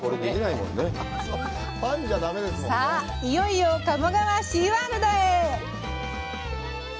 さあ、いよいよ鴨川シーワールドへ。